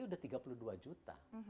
sudah tiga puluh dua juta